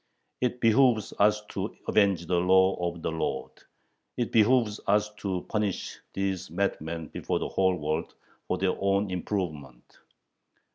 It behooves us to avenge the Law of the Lord, it behooves us to punish these madmen before the whole world, for their own improvement.